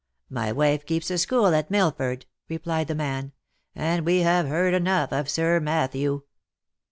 My wife keeps a school at Milford," replied the man, " and we have heard enough of Sir Matthew."